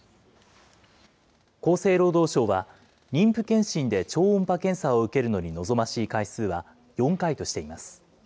厚生労働省は、妊婦検診で超音波検査を受けるのに望ましい回数は４回としています。